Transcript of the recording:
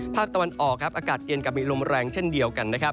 ภาคตะวันออกอากาศเย็นกับมีลมแรงเช่นเดียวกัน